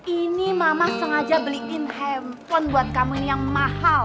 ini mama sengaja beliin handphone buat kamu ini yang mahal